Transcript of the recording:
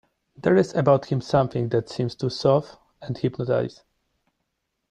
There is about him something that seems to soothe and hypnotize.